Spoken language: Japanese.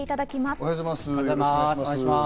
おはようございます。